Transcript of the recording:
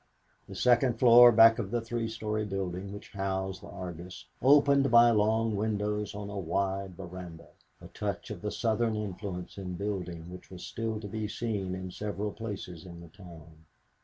The second floor back of the three story building which housed the Argus opened by long windows on to a wide veranda, a touch of the Southern influence in building which was still to be seen in several places in the town.